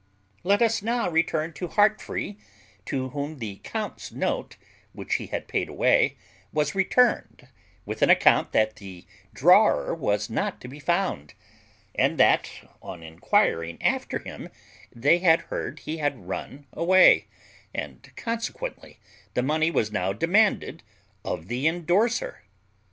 Let us now return to Heartfree, to whom the count's note, which he had paid away, was returned, with an account that the drawer was not to be found, and that, on enquiring after him, they had heard he had run away, and consequently the money was now demanded of the endorser.